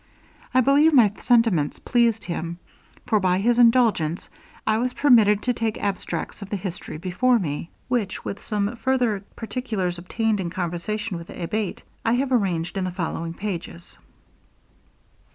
I believe my sentiments pleased him; for, by his indulgence, I was permitted to take abstracts of the history before me, which, with some further particulars obtained in conversation with the abate, I have arranged in the following pages.